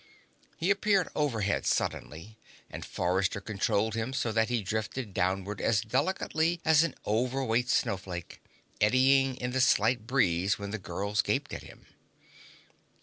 He appeared overhead suddenly, and Forrester controlled him so that he drifted downward as delicately as an overweight snowflake, eddying in the slight breeze while the girls gaped at him.